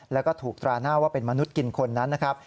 แล้วก็ถูกตราหน้าว่าเป็นมนุษย์กินคนนั้นนะครับ